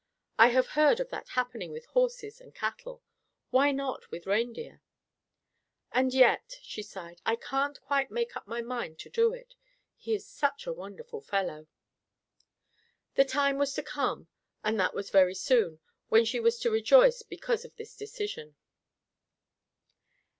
I have heard of that happening with horses and cattle. Why not with reindeer? And yet," she sighed, "I can't quite make up my mind to do it. He is such a wonderful fellow!" The time was to come, and that very soon, when she was to rejoice because of this decision.